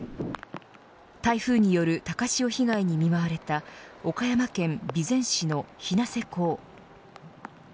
台風による高潮被害に見舞われた岡山県備前市の日生港。